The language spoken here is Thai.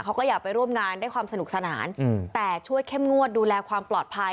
เขาก็อยากไปร่วมงานด้วยความสนุกสนานแต่ช่วยเข้มงวดดูแลความปลอดภัย